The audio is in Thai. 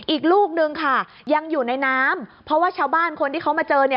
อีกลูกนึงค่ะยังอยู่ในน้ำเพราะว่าชาวบ้านคนที่เขามาเจอเนี่ย